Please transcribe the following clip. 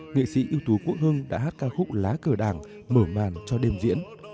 nghệ sĩ ưu tú quốc hưng đã hát ca khúc lá cờ đảng mở màn cho đêm diễn